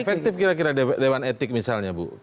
efektif kira kira dewan etik misalnya bu